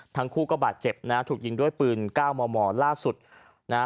ทั้งคู่ก็บาดเจ็บนะฮะถูกยิงด้วยปืนเก้ามอมอล่าสุดนะฮะ